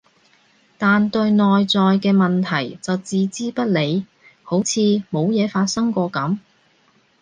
但對內在嘅問題就置之不理，好似冇嘢發生過噉